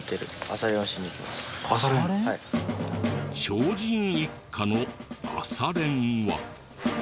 超人一家の朝練は。